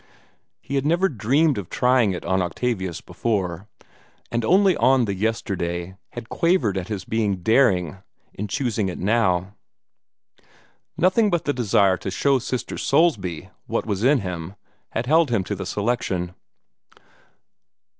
He had never dreamed of trying it on Octavius before, and only on the yesterday had quavered at his own daring in choosing it now. Nothing but the desire to show Sister Soulsby what was in him had held him to the selection.